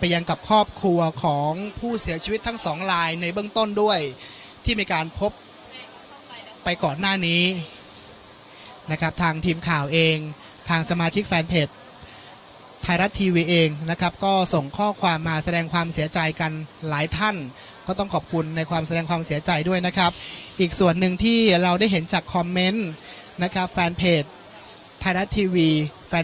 ยังกับครอบครัวของผู้เสียชีวิตทั้งสองลายในเบื้องต้นด้วยที่มีการพบไปก่อนหน้านี้นะครับทางทีมข่าวเองทางสมาชิกแฟนเพจไทยรัฐทีวีเองนะครับก็ส่งข้อความมาแสดงความเสียใจกันหลายท่านก็ต้องขอบคุณในความแสดงความเสียใจด้วยนะครับอีกส่วนหนึ่งที่เราได้เห็นจากคอมเมนต์นะครับแฟนเพจไทยรัฐทีวีแฟน